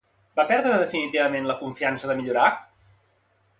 Va perdre definitivament la confiança de millorar?